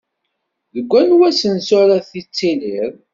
Deg anwa asensu ara tittiliḍ?